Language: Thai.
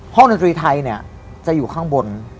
ห้องดนตรีไทยจะอยู่ข้างบน